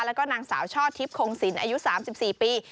แล้วก็นางสาวชอบทิพย์โคงสินอายุ๓๔ปี